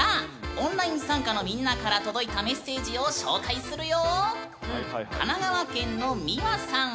オンライン参加のみんなから届いたメッセージを紹介するよ。